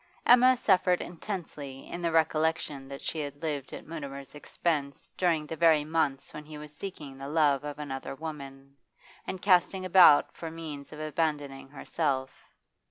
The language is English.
Emma suffered intensely in the recollection that she had lived at Mutimer's expense during the very months when he was seeking the love of another woman, and casting about for means of abandoning herself.